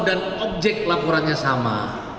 dan objek laporannya sama